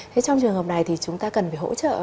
thế trong trường hợp này thì chúng ta cần phải hỗ trợ